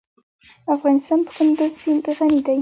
افغانستان په کندز سیند غني دی.